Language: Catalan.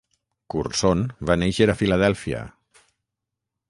Curson va néixer a Filadèlfia.